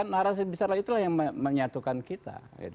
narasi besarlah itulah yang menyatukan kita